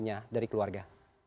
dan konfirmasinya dari keluarga